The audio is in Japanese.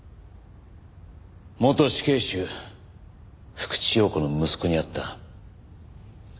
元死刑囚福地陽子の息子に会った。